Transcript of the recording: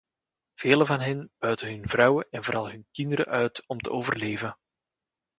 Velen van hen buiten hun vrouwen en vooral hun kinderen uit om te overleven.